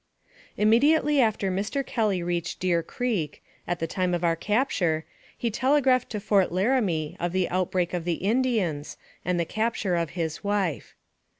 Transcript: IMMEDIATELY after Mr. Kelly reached Deer Creek, at the time of our capture, he telegraphed to Fort Laramie of the outbreak of the Indians, and the cap ture of his wife.